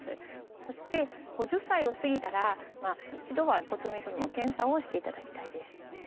そして５０歳を過ぎたら一度は骨密度の検査をしていただきたいです。